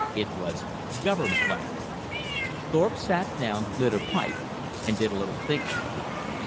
It was Government land. Thorpe sat down, lit a pipe, and did a little thinking.